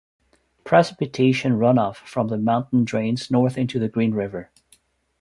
Precipitation runoff from the mountain drains north into the Green River.